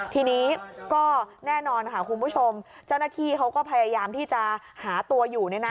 ทีนี้ก็แน่นอนค่ะคุณผู้ชมเจ้าหน้าที่เขาก็พยายามที่จะหาตัวอยู่